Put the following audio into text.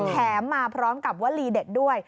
แถมมาพร้อมกับวลีเด็ดด้วย